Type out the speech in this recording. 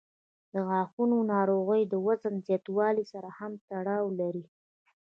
د غاښونو ناروغۍ د وزن زیاتوالي سره هم تړاو لري.